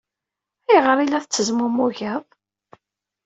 Ayɣer ay la tettezmumugeḍ?